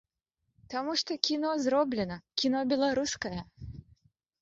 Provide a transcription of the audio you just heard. Таму што кіно зроблена, кіно беларускае.